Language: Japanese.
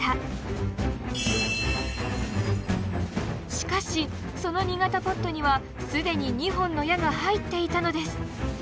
しかしその２型ポットにはすでに２本の矢がはいっていたのです。